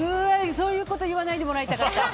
そういうこと言わないでもらいたかった。